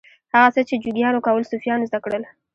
هغه څه چې جوګیانو کول صوفیانو زده کړل.